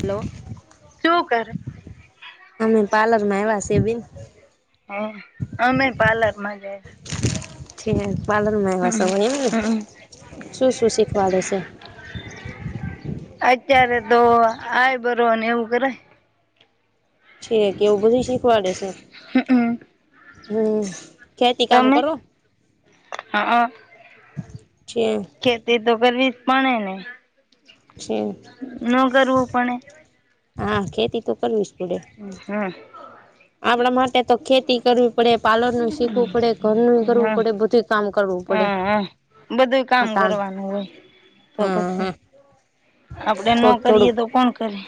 Hello શું કરે? અમે પાર્લર માં આવ્યા છે, બન હમ્મ અમે પાર્લર માં જ છે પાર્લરમાં એવા સવાય એમ ને હમ શું શું શીખવાડે છે. અત્યારે તો આય બરોને એવું કરે છે, કે એવ બધું શીખવાડે છે. હમ્મ હમ્મ હમ ખેતી કામ કરો હા છે. ખેતી તો કરવી જ પડે ને છે ન કરવું પડે હા ખેતી તો કરવી જ પડે હમ્મ આપણા માટે તો ખેતી કરવી પડે પાલન ન શીખવું પડે ઘરનું કરવું પડે બધુ કામ કરવું પડે. હમ હમ બધું કામ અટાણ કરવાનું હોય તો હા પછી. હા આપડે ન થોડું થોડુંક કરીએ તો કોણ કરી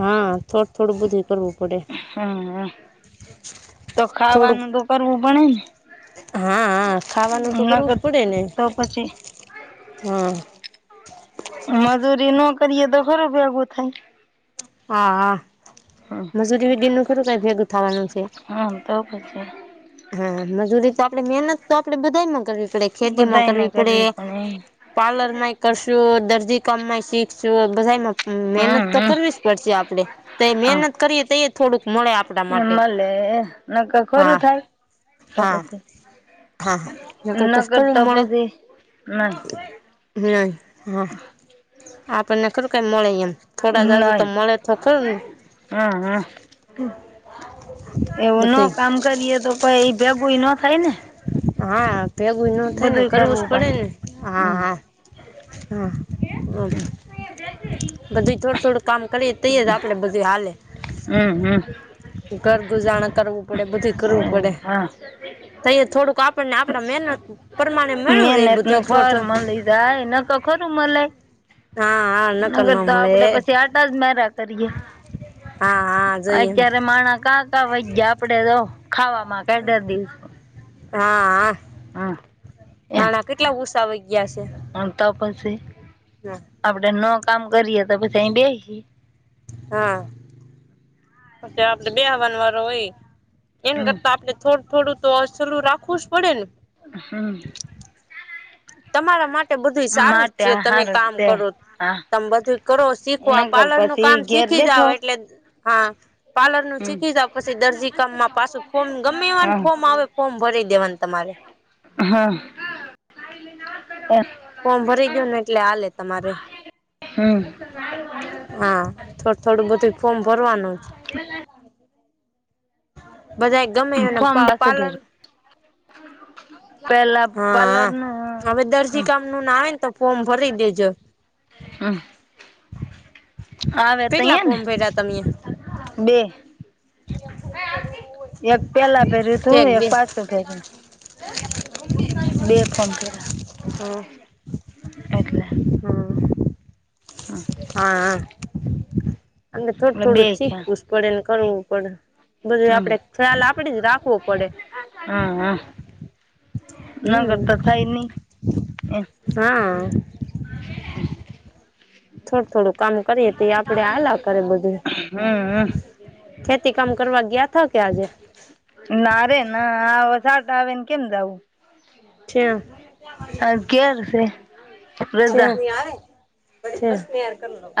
હા થોડું થોડું બધું કરવું પડે. હમ તો થોડુંક ખાવાનું તો કરવું પડે ને. હા હા ખાવાનું તો કરવું જ નકર પડે ને તો પછી હા. મજૂરી ન કરીયએ તો ખરું ભેગું થાય હા હમ મજૂરી વિધિ ન ખરું કઈ ભેગ ઉ થાવાનું છે. હમ તો પજે. હા મજૂરી તો આપડે મહેનત તો આપડે બધામાં કરવી પડે ખેતી માં કરવી પડે પાર્લરમાંય કરશું દર્દી કામમાંય શીખશું બધામાં હમ મહેનત તો કરવી જ પડશે આપડે તો મહેનત કરીએ તો એ થોડુંક મળે આપ એ મળલે એ નક હા ખોરું થાય તો હા પછી હા ન કરતા પછી નહી હમ હા આપણને ખરું કઈ મળે એમ થોડા જાજુ તો નહી મળે તો ખર ને. હમ હમ એવું ન બધું કામ કરીએ તો કોઈ એઈ ભેગુંઈ ન થાય ને. હા ભેગું ન થાય ને કરવું જ પડે ને. હા હા હમ હા હ. બધું થોડું થોડું કામ કરીએ તય આપડે બધું હાલે. હમ હમ ઘરગુજાણા કરવું પડે બધું કરવું પડે. હા અહીયા થોડુંક આપણને આપડા મહેનત પ્રમાણે મે રહી એ બધું થોડ ફર થોડ મળી જાય ન તો ખરું મળય હા હા. નકર નગર ન તો આપડે મળે પછી આટા જ મેરા કરીએ. હા હા જઈએ અત્યારે માણા કા કા વાય જ આપડે તો ખા કેઢર દિવસ. હા. હા. નાના કેટલા ઉસા વા ગયા છે. હ ત પછી. હા. આપડે ન કામ કરીએ તો પછી અહી બેસીએ. હા પછ આપડે બે આવવાન વારો હોય. એને હમ કરતા આપડણે થોડું થોડું તો સલું રાખવું જ પડે ને. હમ તમારા માટે બધું સારું માટે છે આ તમે હારુ કામ છે કરો હા તમે બધું કરો શીખવા નગર પાર્લરનું કામ પછી ઘેર શીખી જાવ બેઠો એટલે હા પાર્લર નું હમ શીખીતા પછી દર્જી કામમાં પાછું ફોર્મ ગમે એવાનું હા ફોર્મ આવે ફોર્મ ભરી દેવાન તમારે. હા. ફોર્મ ભરી ગો ને એટલે આલે તમારે. હમ. હા થોડ થોડું બધું ફોર્મ ભરવાનું. [inaudible] બધા ગમે અને ફોમ પાછું પાલન ભેરું પેલા પાલરનું નુ આવે ને તો ફોર્મ ભરી દેજો. હમ. આવે તય કેટલા એને. ફોર્મ ભર્યા તમે બે. એક પેલા ભેર્યું હતું એક પાછું ભેર્યું. બે ફોન રયા. હું. એટલે. હું. હમ હા. [inaudible] અને થોડું એટલે થોડું બે છે શીખવું જ પડેને કરવું પડે. બધું હમ આપડે ખ્યાલ આપણે જ રાખવો પડે. હું હું. ના હમ કરતા થાય નહી. હા થોડું થોડું કામ કરીએ તો એ આપડે આલા કરે બધું. હમ ખેતી કામ કરવા ગયા થા કે આજે? નારે ના આ વરસાદ આવે ને કેમ જવું? ઠ્યાં [unintelligible] છે બધા. ક્યા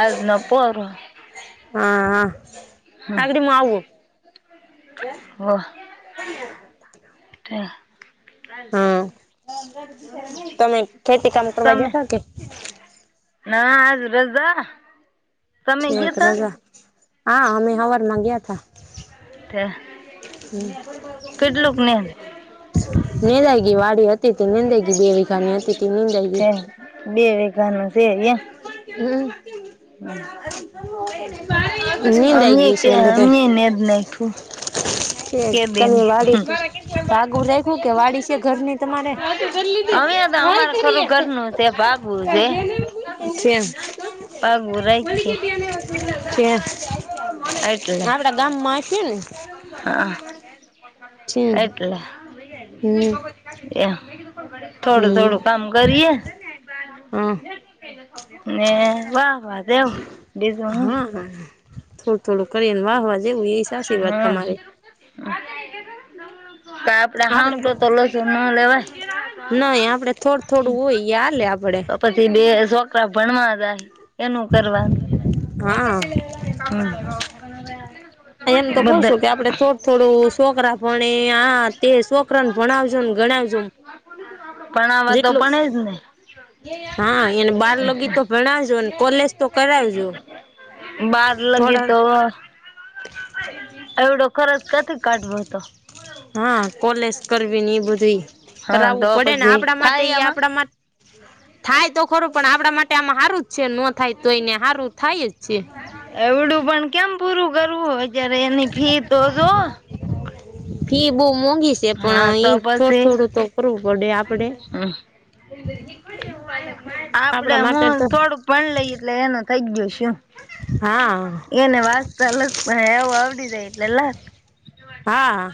આજ નો પોરો હમ હા. વાહ [unintelligible] હા [inaudible] તમે ખેતી કામ કરવા તમે ગયા તા કે? ના આજ રજા. તમે એક ગયા તા રજા હા અમે હવારમાં ગયા તા. [unintelligible] હમ કેટલુંક ને [unintelligible] વાડી હત તે તો નિદાઇ ગઇ દેવિકા ની હતી તો નિદ ઇ ગઇ. છે બે વીઘાનુ છે ઇ. [unintelligible] એમ નીંદાઇ અમે ગયું છે કે એનુ તે અમે નેજ નાખ્યું કે બેન તમે આલી હમ બાગુ રાયખુંયુ કે વાડી છે ઘરની તમારે અમે તો અમારે ખરું ઘરનું છે ભાગવું છે [unintelligible] ભાગવું રાખીએ એટલે [unintelligible] આપડા ગામમાં છે ને. હા. છે એટલે હમ એ થોડું હમ થોડું કામ કરીએ હા ને વાહ વાહ દેવ બીજું હું હા થોડું થોડું કરીને વાહ વા જેવું એ સાચી વાત હમ તમારે આપડે આમ તો તો લસુ ના લેવાય નહી આપડે થોડું થોડું હોય યાલેે આપડે તો પછી બે છોકરા ભણવા જાય એનું કરવાનુ હા [unintelligible] એમ તો કઉ છું કે આપડે થોડું થોડું છોકરા ભણે આ તે છોકરાને ભણાવજો ને ગણાવજો. ભણાવા તો જેટલું ભણે જ ને હા એને બાર લગી તો ભણાવજો કોલેજ તો કરાવજો બાર લગી થોડાક તો એવડો ખરત કયાથી કાઢવો તો. હા કોલેજ કરવી ને એ બધું હા તો કરાવવું પડે ને પછી આપડા માટે થાય ઇ આમાં આપડા માટે થાય તો ખરું પણ આપડા માટે આમાં હારું જ છે નો થાય તો એને હારું થાય જ છે. એવડું પણ કેમ પૂરું કરવું હોય જ્યારે એની ફી તો જો ફી બો મોંઘી છે હા પણ એ તો થોડું પછી થોડું તો કરવું પડે આપડે આપડે આપડા માટે હું તો થોડુ પણ લઈ એટલે એનો થઈ ગયો શું. હા એને વાંચતા લખતાં એવું આવડી જાય એટલે લખ હા.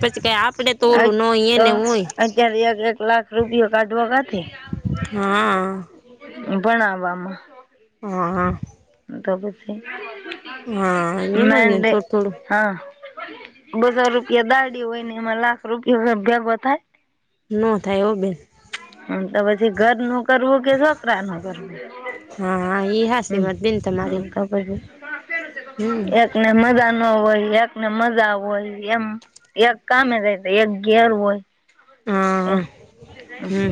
પછી કાઈ આપડે તો ઓલું ન તો એને હોય. અત્યારે એક એક લાખ રૂપિયો કાઢવા કાથી [inaudible] હા. ભણાવવામાં. હહ હહ. હહ તો પછી [inaudible] હા એમજ ને મેંડે થોડ થોડું. હા બધા રૂપિયા દાડી હોય ને એમાં લાખ રૂપિયો કાઈ ભેગો થાય? નો થાય હો બેન. હમ, તો પછી ઘરનું કરવું કે છોકરાનું કરવું? હા હા ઈ હાસી હમ વાત બેન તમારી. હમ [inaudible] એકને મજા ન હોય, એકને મજા હોય એમ. એક કામે જાય તો, એક ઘેર હોય. હા હમ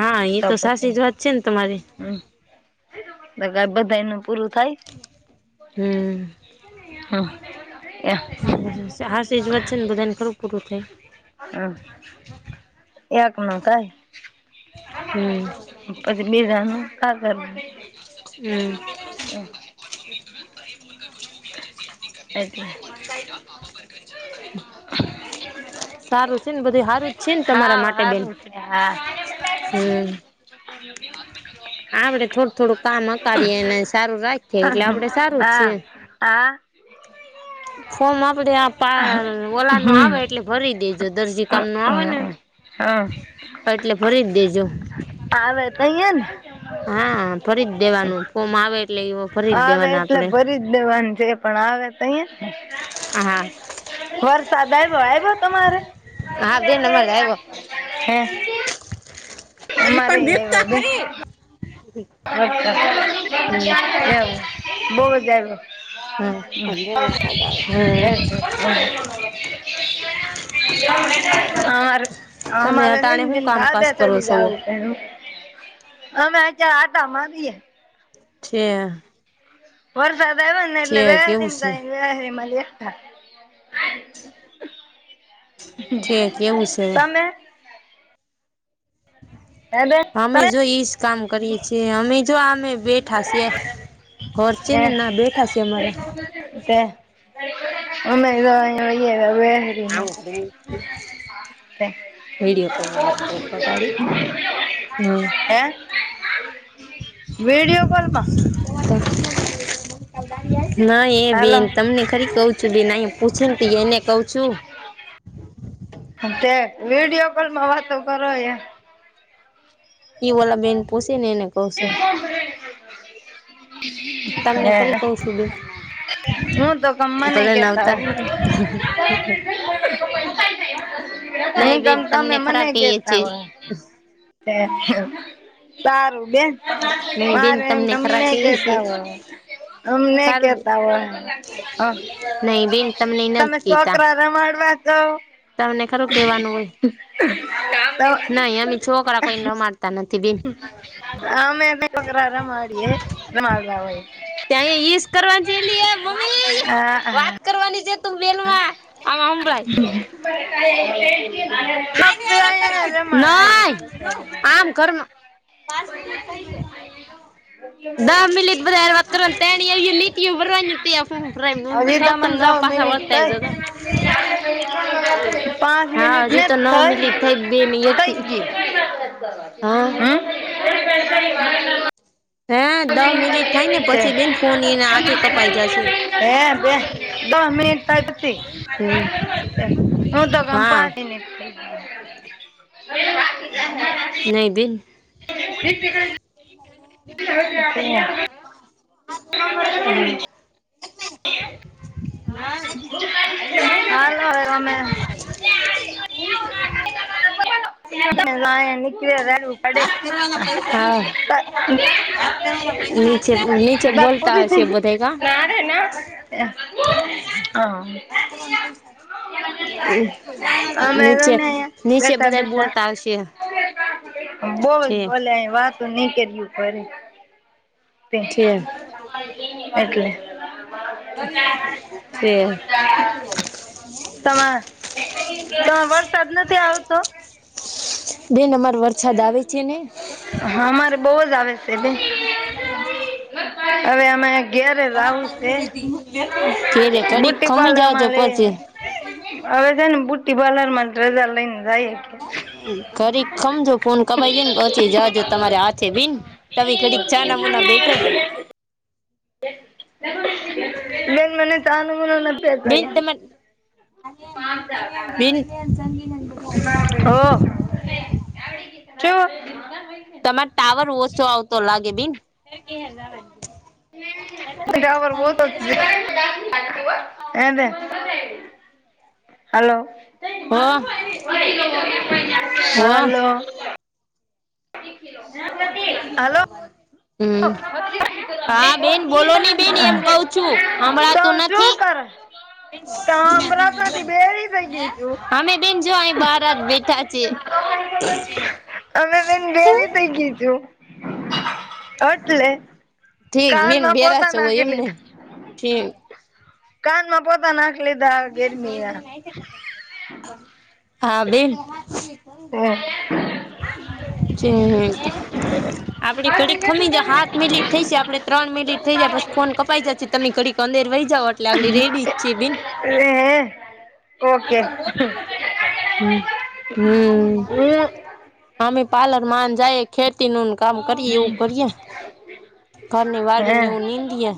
હા એ તો સાસી જ વાત છેન તમારી. હમ બધાં બધાયનું પૂરું થાય? હમ હમ [inaudible] હાસી જ વાત છે ને, બધાયને થોડું પૂરું થાય. હહ એકનું થાય. [inaudible] હમ પછી બીજાનું કા કર? હમ [inaudible] [inaudible] એટલે સારું જ છે ન બધુંય હારું જ છેન તમારા માટે બેન? એ હા હમ આપડે થોડું થોડું કામ અકારીએ ને સારું રાખીએ એટલે આપડે [inaudible] સારું જ આ આ ફોમ આપડે આ પા ઓલાનું હમ આવે એટલે ભરી દેજો દરજી કામનું આવે ને, હા એટલે ભરી જ દેજો. આવે તઈ એન. હા ભરી જ દેવાનું ફોમ આવે એટલે [inaudible] આવે દેવાના એટલે આપડે ભરી જ દેવાનું છે, પણ આવે તઈ એ ને. હા. વરસાદ આયવો. આયવો તમારે? હા બેન અમારે આવ્યો હે. અલી અમારે પણ મેકતા ખરી. અચ્છા એવું હમ બહુ જ આયવો. હમ હમ [inaudible] હા [inaudible] અમારે હવે તમે અમારે છે અટાણે ને હું બેન ધાબે કામકાજ કરો ચડી છો જાવું પડ્યું. અમે આઈકન આંટા મારીએ. છે અ વરસાદ આયવો ને એટલે કેવું વેહરીમાં છે કઈ વેહારીમાં બેઠા. છે કેવું છે [inaudible] તમે? હે બેન અમે જો ઈજ કામ કરીએ છીએ અમે જો આ અમે બેઠા સીએ. ઘર છે તમે ને ના હે બેઠા સી અમારા. તે અમે તો [inaudible] તે [inaudible] વિડીયો કોલમાં વાત કરે ખોટાડી. હમ એે વિીડિયો કોલમાં? અખ- - ના એ હાલો બેન તમને ખરી કવ છું બેન અહી પૂછે ને એને કઉ છું. તે વિડિયો કોલમાં વાત કરો હ- - એવેલા બેન પૂસીી ન એને કૌસ. તમને હા ખરી હ- કઉ છું બેન - હું તો કમમાં ન ભલે કેતા નવતા હું. નહી બેન હમ તમે તમને મને ખરા કહીએ કેતા છીએ હોય- - સારું બે- - નહી બેન મારે એમ ખરા તમને કહીએ છીએ જતા હો. અમને સારું કેતા હોય નહી બેન તમને તમે નથી કેતા છોકરા રમાડવા- - તો- - તમને ખરું નઈ અમે છોકરા કોઈ રમારતા નથી બેીન. હ આમગ્રાર મળીેદવાય- - ત્યાં ઈશ કરવાની છે વાત કરવાની? તું બેલમાં આમ - હંભળાય - એવા મા- - નઈ આમ બધા- ઘરમાં - ઓ- - દહ મિનિટ બધા હવે હારે વાત કરવાની તેણી તમાં આવ્યું લીટીયું ન ભરવાનું મિ- ત્યાં તમે જાવ પાછા - વળતા આવી જજો પાંચ મિનટ મેને હા હજી થઈ- તો નવ મિનિટ થઈ બે મિનિટ - હા હમ- - હે હ બે દસ દહ મિનિટ થાય ને પછી બેન ફોન એના હાથે કપાઈ જશે મિટ- - હમ થ હું દકમાં હા પાચ- - - - નહી બિન. - - હમ- -- - એેશે- - નીકળ રડવું પડે. હા નીચે નીચે ભરપૂર બોલતા હશે હતી બધા કા નાેના- - અત કોન પૈસા- - અમે નીચે જોને નીચે બધા બોલતા હશે. બોલ છે બોલે અ વાતું નહી કરય્યું પે છે એટલે છે હા તો વરસાદ નથી આવતો બે નમાર વરસાાદ આવે છે ને હા અમારે બહુ જ આવે છે બેન હવે આમાં ઘરે રાું છે ઘેરે ઘડીક બુટી ખમી પાર્લર માં જાજો લે પછી હવે છે ને બુટ્ટી બલાર માં જ રજા લઈને જાય ઘરી ખમજો ફોન કપાઈ જેને પછી જાજો તમારે હાથે ભીન તમે કડીક ચા નમૂના બેઠો બે મને તનુંમ બેન તમારે પાચ ઓહ તમારો ટાવર ઓછો આવતો લાગે ભીન જાવર વહ તો હલો હો હો હાલો હલો હમ હા બેન બોલો ની બેન એમ કઉ છું હમભણાં તો તું નથી શું કરે તો હભળાતું નથી બેરી થઈ ગઈ છું અમે બેન જો અય બારા બેઠા છીએ અમે બેન ગેલી થઇ ગયી છું. એટલે ઠીક બેન કાનમાં બેરા પોતા છે હોય નાખી એમને લીધા ઠીક કાનમાં પોતા નાખ લીધા એટલે હા બેન જે આપડે ઘડી ખમી જાય હાત મિલીટ થઇ છે આપડે ત્રણ મિલીટ થઇ જાય પસી ફોન કપાઈ જાશે તમે ઘડીક અંદર વહી જાઓ એટલે આગળ રેડી જ છે બીન [unintelligible] ઓકે હમ્મ. હું અમે પારલર માન જાયે ખેતી નું કામ કરીએ એવું કરીએ ઘરની વાડી ને હે એવું નીંદીએ